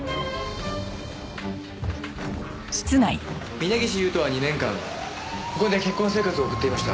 峰岸勇人は２年間ここで結婚生活を送っていました。